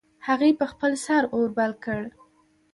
هغې په خپل سر اور بل کړ